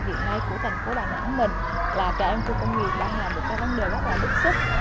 do cái nhu cầu hiện nay của thành phố đà nẵng mình là trẻ em khu công nghiệp đang là một cái vấn đề rất là lực sức